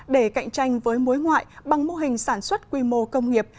để cạnh tranh với muối ngoại bằng mô hình sản xuất quy mô công nghiệp